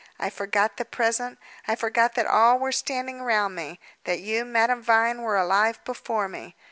I forgot the present; I forgot that all were standing round me; that you, Madame Vine, were alive before me.